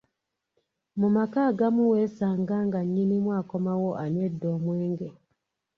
Mu maka agamu weesanga nga nnyinimu akomawo anywedde omwenge.